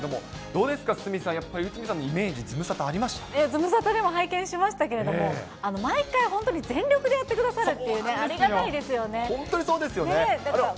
どうですか、鷲見さん、内海さんのイメージ、ズムサタ、ズムサタでも拝見しましたけれども、毎回本当に全力でやってくださるっていうね、ありがたい本当にそうですよね。